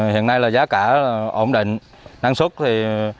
hiện nay là giá cả ổn định năng suất thì